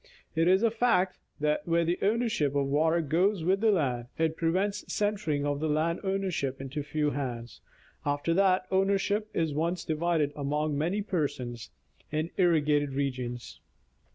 It is a fact, that where the ownership of water goes with the land, it prevents centering of land ownership into few hands, after that ownership is once divided among many persons, in irrigated regions.